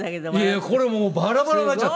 いやこれもうバラバラになっちゃって。